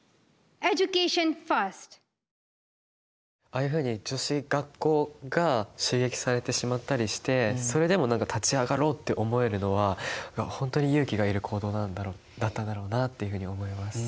ああいうふうに女子学校が襲撃されてしまったりしてそれでも何か立ち上がろうって思えるのは本当に勇気がいる行動だったんだろうなっていうふうに思います。